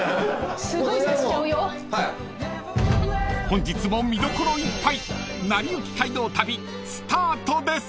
［本日も見どころいっぱい『なりゆき街道旅』スタートです］